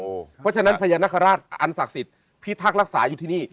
เพราะฉะนั้นพญานาคาราชอันศักดิ์สิทธิ์พิทักษ์รักษาอยู่ที่นี่